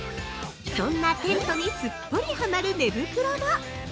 ◆そんなテントにすっぽりハマる寝袋も！